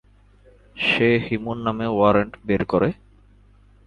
সে হিমুর নামে ওয়ারেন্ট বের করে।